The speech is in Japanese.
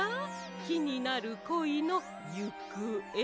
きになるこいのゆくえ？